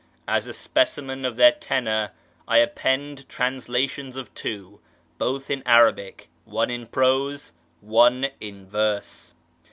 As a specimen of their tenour I append transla tions of two, both in Arabic : one in prose, one in verse.